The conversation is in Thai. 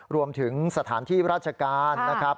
รวมถึงสถานที่ราชการนะครับ